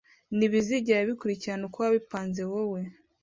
ntibizigera bikurikirana ukowabipanze wowe